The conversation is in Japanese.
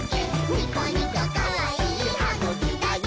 ニコニコかわいいはぐきだよ！」